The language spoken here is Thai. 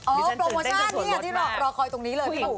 โอ้โหโปรโมชั่นที่เรารอคอยตรงนี้เลย